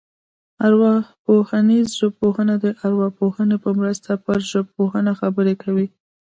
ارواپوهنیزه ژبپوهنه د ارواپوهنې په مرسته پر ژبپوهنه خبرې کوي